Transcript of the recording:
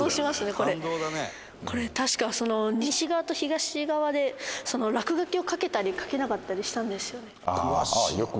これ確か西側と東側で落書きを描けたり描けなかったりしたんですよね。